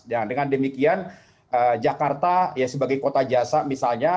nah dengan demikian jakarta ya sebagai kota jasa misalnya